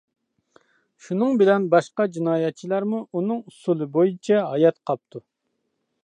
شۇنىڭ بىلەن باشقا جىنايەتچىلەرمۇ ئۇنىڭ ئۇسۇلى بويىچە ھايات قاپتۇ.